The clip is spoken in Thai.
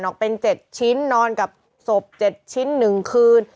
ออกเป็น๗ชิ้นนอนกับศพ๗ชิ้น๑คืน